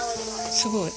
すごい。